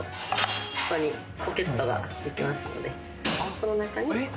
この中に。